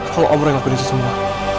kalau om roy gak berhenti semua